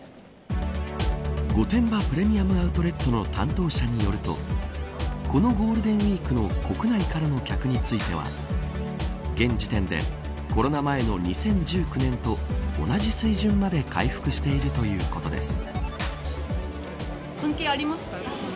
御殿場プレミアム・アウトレットの担当者によるとゴールデンウイークの国内からの客については現時点でコロナ前の２０１９年と同じ水準まで回復しているということです。